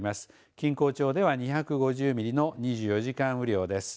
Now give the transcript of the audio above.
錦江町では２５０ミリの２４時間雨量です。